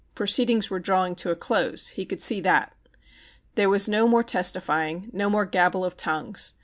Proceedings were drawing to a close. He could see that. There was no more testifying, no more gabble of tongues.